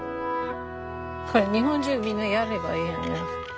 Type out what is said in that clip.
これ日本中みんなやればいいやんな。